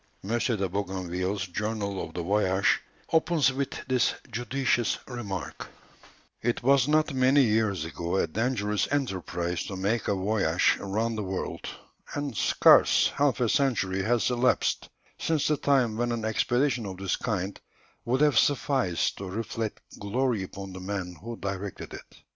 M. de Bougainville's journal of the voyage opens with this judicious remark: "It was not many years ago a dangerous enterprise to make a voyage round the world, and scarce half a century has elapsed since the time when an expedition of this kind would have sufficed to reflect glory upon the man who directed it.